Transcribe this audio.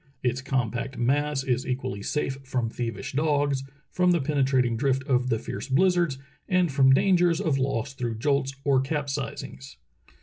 Its com pact mass is equally safe from thievish dogs, from the penetrating drift of the fierce blizzards, and from dan gers of loss through jolts or capsizings.